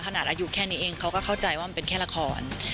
อายุแค่นี้เองเขาก็เข้าใจว่ามันเป็นแค่ละคร